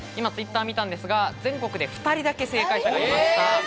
Ｔｗｉｔｔｅｒ見たんですが、全国で２人だけ正解者がいます。